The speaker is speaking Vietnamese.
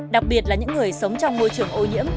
đặc biệt là những người sống trong môi trường ô nhiễm